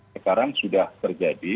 sekarang sudah terjadi